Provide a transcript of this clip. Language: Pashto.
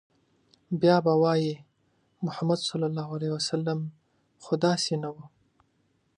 بيا به وايي، محمد ص خو داسې نه و